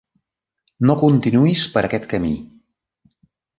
No continuïs per aquest camí!